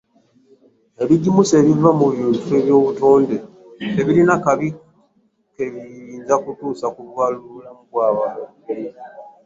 Ebigimusa ebiva mu bintu by’obutonde tebirina kabi ke biyinza kutuusa ku bulamu bwa balimi.